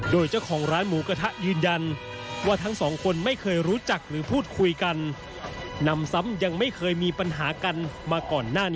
โดยเจ้าของร้านหมูกระทะยืนยัน